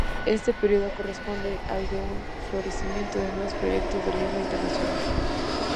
Este periodo corresponde al de un florecimiento de nuevos proyectos de lengua internacional.